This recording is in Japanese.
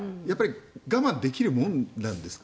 我慢できるものなんですか？